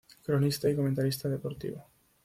Cronista y comentarista deportivo.